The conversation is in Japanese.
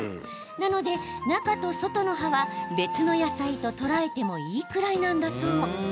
なので中と外の葉は別の野菜と捉えてもいいくらいなんだそう。